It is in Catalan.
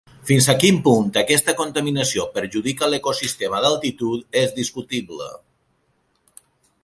Fins a quin punt aquesta contaminació perjudica l'ecosistema d'altitud és discutible.